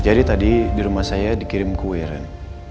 jadi tadi di rumah saya dikirim kue ren